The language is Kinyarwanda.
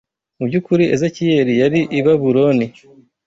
Mu by’ukuri Ezekiyeli yari i Babuloni